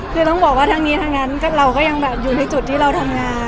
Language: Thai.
คือต้องบอกว่าทั้งนี้ทั้งนั้นเราก็ยังแบบอยู่ในจุดที่เราทำงาน